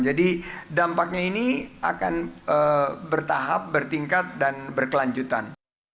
jadi dampaknya ini akan bertahap bertingkat dan berkelanjutan